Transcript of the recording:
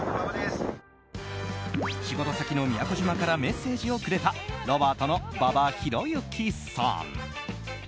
仕事先の宮古島からメッセージをくれたロバートの馬場裕之さん。